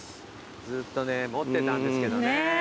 ずっとね持ってたんですけどね。